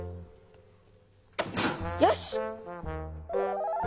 よし！